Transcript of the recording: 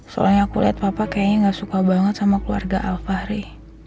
soalnya aku lihat papa kayaknya gak suka banget sama keluarga alfahri